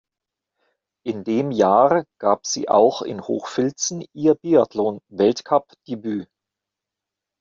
In dem Jahr gab sie auch in Hochfilzen ihr Biathlon-Weltcup-Debüt.